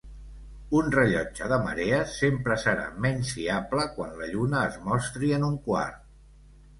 Un rellotge de marees sempre serà menys fiable quan la lluna es mostri en un quart.